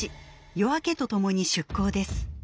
夜明けとともに出港です。